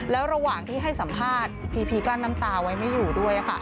แล้วระหว่างที่ให้สัมภาษณ์พีพีกลั้นน้ำตาไว้ไม่อยู่ด้วยค่ะ